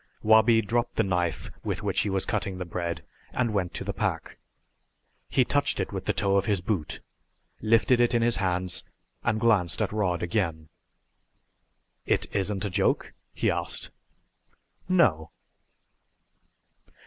Wabi dropped the knife with which he was cutting the bread and went to the pack. He touched it with the toe of his boot, lifted it in his hands, and glanced at Rod again. "It isn't a joke?" he asked. "No."